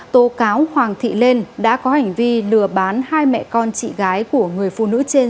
tố cáo hoàng thị lên đã có hành vi lừa bán hai mẹ con chị gái của người phụ nữ trên